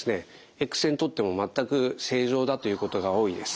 エックス線撮っても全く正常だということが多いです。